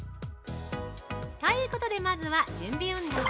◆ということでまずは準備運動。